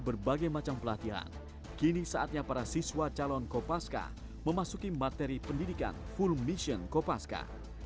berbagai macam pelatihan kini saatnya para siswa calon kopaska memasuki materi pendidikan full mission kopaska